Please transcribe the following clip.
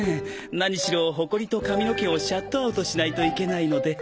何しろほこりと髪の毛をシャットアウトしないといけないので。